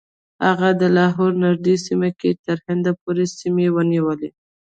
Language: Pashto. هغه د لاهور نږدې سیمه کې تر هند پورې سیمې ونیولې.